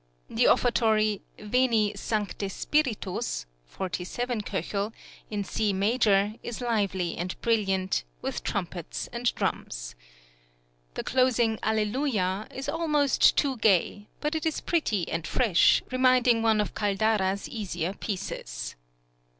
The Offertory, "Veni, Sancte Spiritus" (47 K.), in C major is lively and brilliant, with trumpets and drums. The closing "Alleluia" is almost too gay, but it is pretty and fresh, reminding one of Caldara's easier pieces.